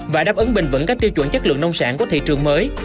và đáp ứng bình vững các tiêu chuẩn chất lượng nông sản của thị trường mới